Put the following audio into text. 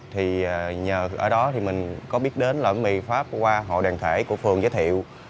thì ở đó mình có biết đến loại mì pháp qua hội đoàn thể của phường giới thiệu